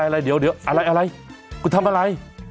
อะไรเดี๋ยวอะไรกูทำอะไร